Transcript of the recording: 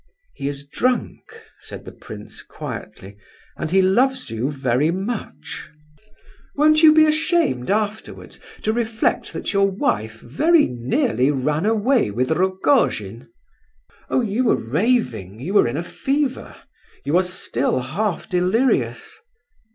"He is drunk," said the prince, quietly, "and he loves you very much." "Won't you be ashamed, afterwards, to reflect that your wife very nearly ran away with Rogojin?" "Oh, you were raving, you were in a fever; you are still half delirious."